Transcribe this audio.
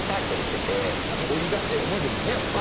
追いがちよねでもねやっぱり。